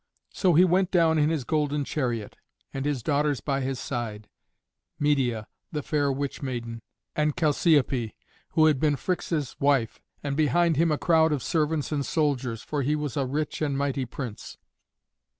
So he went down in his golden chariot, and his daughters by his side, Medeia, the fair witch maiden, and Chalciope, who had been Phrixus' wife, and behind him a crowd of servants and soldiers, for he was a rich and mighty prince.